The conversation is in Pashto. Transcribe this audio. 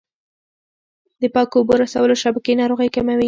د پاکو اوبو رسولو شبکې ناروغۍ کموي.